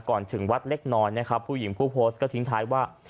ก่อนถึงวัดเล็กน้อยนะครับผู้หญิงผู้โพสต์ก็ทิ้งท้ายว่า